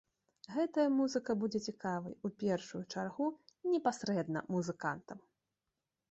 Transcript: Гэтая музыка будзе цікавай, у першую чаргу, непасрэдна музыкантам.